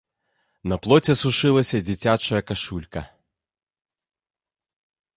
На плоце сушылася дзіцячая кашулька.